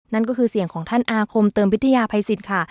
นั่นก็คือเสียงของท่านอาคมเติมวิทยาภัยสิทธิ์ค่ะ